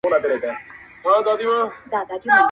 په دنیا کي چي د چا نوم د سلطان دی!!